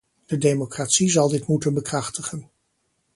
De democratie zal dit moeten bekrachtigen.